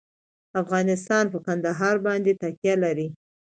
افغانستان په کندهار باندې تکیه لري.